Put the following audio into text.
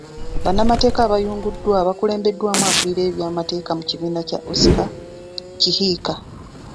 Bannamateeka abayunguddwa bakulembeddwa akulira ebyamateeka mu kibiina kya Oscar Kihika.